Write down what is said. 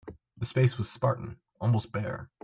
The space was spartan, almost bare.